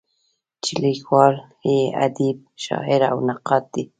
چې لیکوال یې ادیب، شاعر او نقاد دی.